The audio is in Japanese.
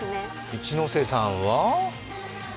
一ノ瀬さんは？